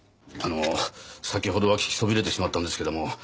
あの先ほどは聞きそびれてしまったんですけども